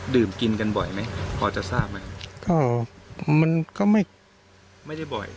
ดื่มกินกันบ่อยไหมพอจะทราบไหมก็มันก็ไม่ไม่ได้บ่อย